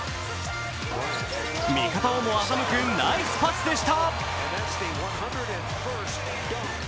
味方をも欺くナイスパスでした。